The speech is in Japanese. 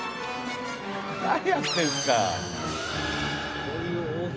何やってんすか。